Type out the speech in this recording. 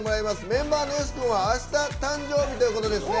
メンバーのヨシ君はあした誕生日ということですね。